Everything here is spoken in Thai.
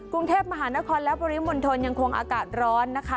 กรุงเทพมหานครและปริมณฑลยังคงอากาศร้อนนะคะ